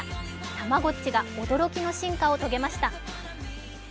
たまごっちが驚きの進化を遂げました。